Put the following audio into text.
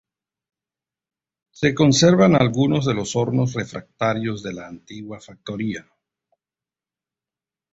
Se conservan algunos de los hornos refractarios de la antigua factoría.